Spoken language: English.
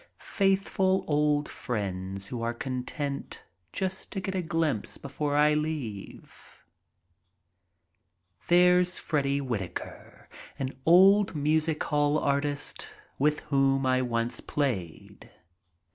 Faithful old friends who are content just to get a glimpse before I leave. There's Freddy Whittaker, an old music hall artist with whom I once played.